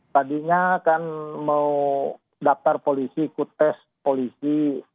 tadinya kan mau daftar polisi ikut tes polisi